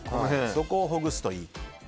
そこをほぐすといいと。